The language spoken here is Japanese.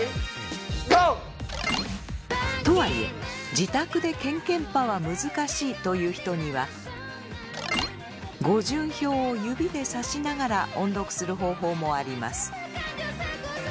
とはいえ自宅でケンケンパは難しいという人には語順表を指でさしながら音読する方法もあります。